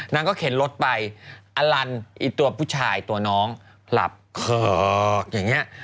นางก็เข็นรถไปอลันไอ้ตัวผู้ชายตัวน้องหลับเขิกอย่างนี้